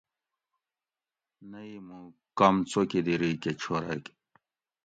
نہ ای موں کم څوکیدیری کہ چھورگ